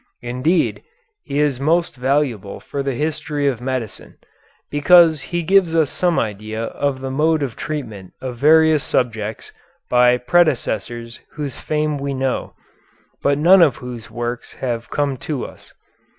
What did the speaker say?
Indeed, he is most valuable for the history of medicine, because he gives us some idea of the mode of treatment of various subjects by predecessors whose fame we know, but none of whose works have come to us.